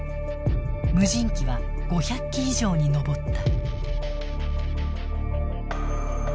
無人機は５００機以上に上った。